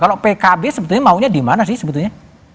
kalau pkb sebetulnya maunya di mana sih sebetulnya